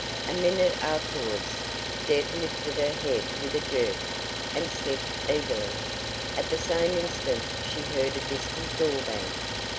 A minute afterwards, Deb lifted her head with a jerk, and sniffed eagerly. At the same instant she heard a distant door bang.